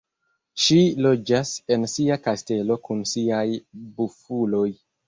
Ŝi loĝas en sia kastelo kun siaj Bufuloj.